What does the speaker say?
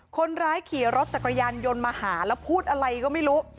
คนร้ายขี่รถจักรยานยนต์มาหาแล้วพูดอะไรก็ไม่รู้